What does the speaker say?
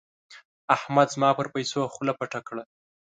احمد زما پر پيسو خوله پټه کړه.